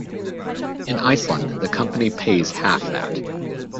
In Iceland, the company pays half that.